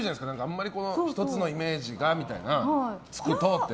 あんまり１つのイメージがつくとって。